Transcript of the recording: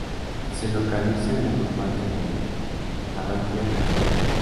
Se localiza en la comarca de Arratia-Nervión.